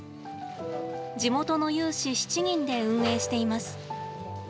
地元の有志７人で運営しています。